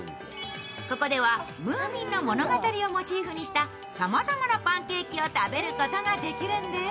ここではムーミンの物語をモチーフにしたさまざまなパンケーキを食べることができるんです。